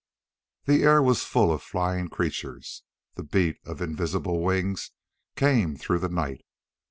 The air was full of flying creatures. The beat of invisible wings came through the night.